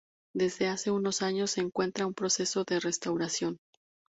Desde hace unos años se encuentra en proceso de restauración.